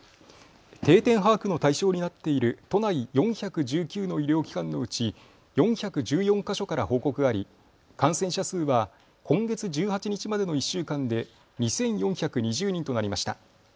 定点把握の対象になっている都内４１９の医療機関のうち４１４か所から報告があり感染者数は今月１８日までの１週間で２４２０人となりました。